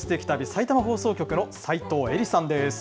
さいたま放送局の齋藤恵梨さんです。